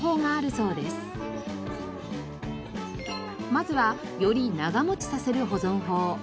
まずはより長持ちさせる保存法。